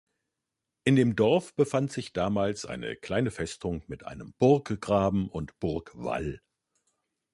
In dem Dorf befand sich damals eine kleine Festung mit einem Burggraben und Burgwall.